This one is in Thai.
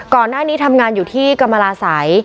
ก่อนหน้านี้ทำงานอยู่ที่กรรมราศัย